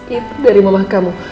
itu dari mama kamu